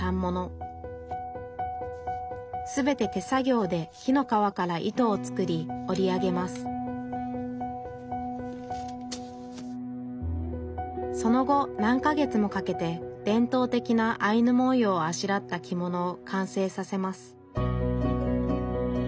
全て手作業で木の皮から糸を作り織り上げますその後何か月もかけて伝統的なアイヌ文様をあしらった着物を完成させます